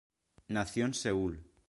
Nació en Seúl.